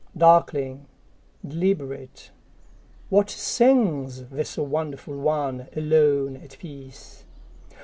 Darkling, deliberate, what singsThis wonderful one, alone, at peace?